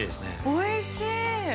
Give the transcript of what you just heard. ◆おいしい！